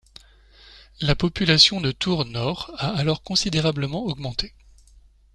La population de Tours-Nord a alors considérablement augmenté.